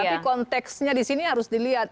tapi konteksnya di sini harus dilihat